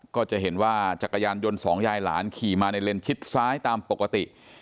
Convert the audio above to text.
ก็จะเห็นว่าจักรยานยนต์สองยายหลานขี่มาในเลนชิดซ้ายตามปกติ